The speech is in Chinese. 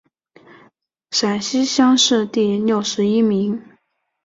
陕西乡试第六十一名。